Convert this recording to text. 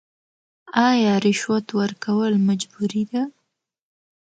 آیا رشوت ورکول مجبوري ده؟